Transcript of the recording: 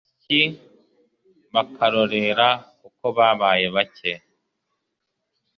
n'abasyi bakarorera kuko babaye bake